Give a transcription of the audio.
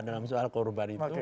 dalam soal korban itu